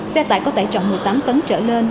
xe tải có tải trọng một mươi tám tấn trở lên